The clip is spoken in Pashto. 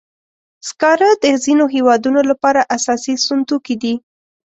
سکاره د ځینو هېوادونو لپاره اساسي سون توکي دي.